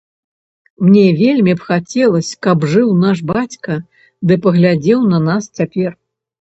Мне вельмі б хацелася, каб жыў наш бацька ды паглядзеў на нас цяпер.